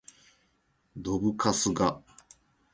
どぶカスが